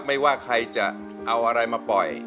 ไม่ว่าใครจะเอาอะไรมาปล่อย